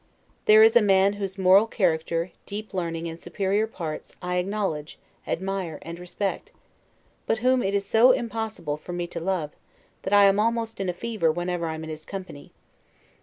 There is a man, whose moral character, deep learning, and superior parts, I acknowledge, admire, and respect; but whom it is so impossible for me to love, that I am almost in a fever whenever I am in his company.